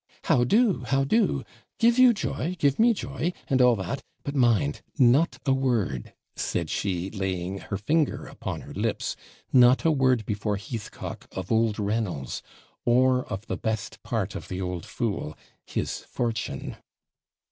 'How do? how do? Give you joy! give me joy! and all that. But mind! not a word,' said she, laying her finger upon her lips 'not a word before Heathcock of old Reynolds, or of the best part of the old fool, his fortune!'